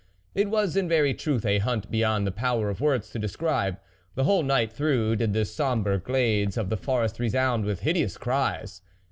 It was in very truth a hunt beyond the power of words to describe. The whole night through did the sombre glades of the forest resound with hideous cries.